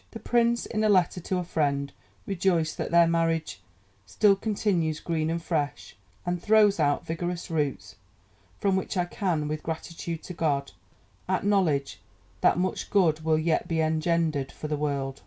The Prince, in a letter to a friend, rejoiced that their marriage "still continues green and fresh and throws out vigorous roots, from which I can, with gratitude to God, acknowledge that much good will yet be engendered for the world."